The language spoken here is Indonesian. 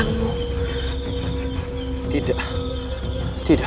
sebagai pembawa ke dunia